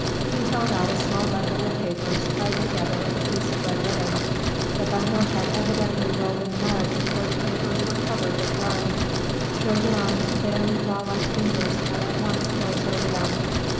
He held out a small bundle of papers tied together with a piece of red ribbon: the bundle had evidently rolled in the mud, for the papers were covered with grime. Chauvelin's thin, claw like fingers had at once closed over them.